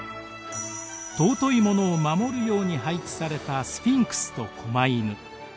尊いものを守るように配置されたスフィンクスと狛犬。